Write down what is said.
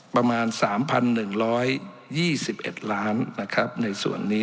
ประมาณ๓๑๒๑ล้านนะครับในส่วนนี้